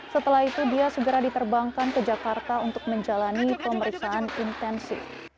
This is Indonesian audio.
setelah itu dia segera diterbangkan ke jakarta untuk menjalani pemeriksaan intensif